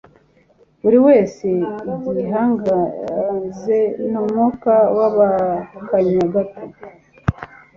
buri wese ugihagaze ni umwuka w'akanya gato